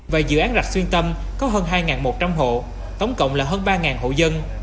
và dự án rạch xuyên tâm có hơn hai một trăm linh hộ tổng cộng là hơn ba hộ dân